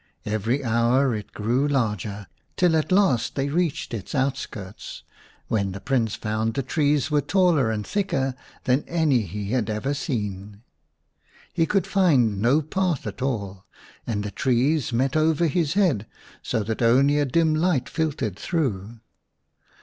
Every hour it grew larger, till at last they reached its out skirts, when the Prince found the trees were taller and thicker than any he had ever seen. He could find no path at all, and the trees met over his head so that only a 7 dim light filtered through.